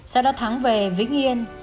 sau đó thắng về vĩnh yên